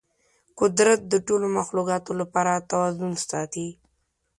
قدرت د ټولو مخلوقاتو لپاره توازن ساتي.